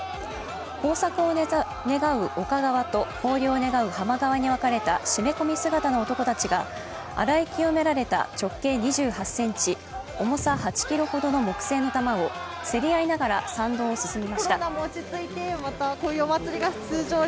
豊作を願う陸側と豊漁を願う浜側に分かれた締め込み姿の男たちが洗い清められた直径２８ｃｍ、重さ８ｋｇほどの木製の玉を競り合いながら参道を進みました。